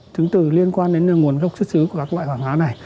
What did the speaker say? chứng tử liên quan đến nguồn gốc xuất xứ của các loại hàng hóa này